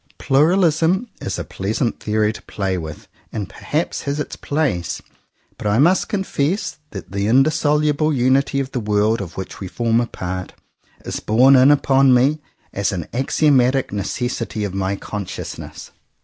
Pluralism is a pleasant theory to play with, and perhaps has its place, but I must confess that the indissoluble unity of the world of which we form a part is borne in upon me as an axiomatic necessity of my consciousness.